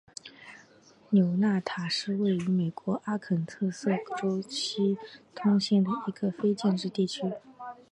纽纳塔是位于美国阿肯色州斯通县的一个非建制地区。